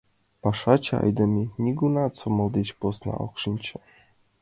Пашаче айдеме нигунам сомыл деч посна ок шинче.